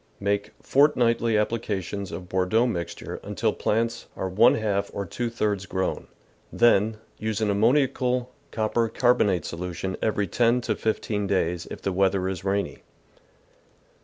— Make fortnightly applica tions of Bordeaux mixture until plants are one half or two thirds grown, then use an ammoniacal THE GARDEN'S ENEMIES copper carbonate solution every ten to fifteen days, if the weather is rainy.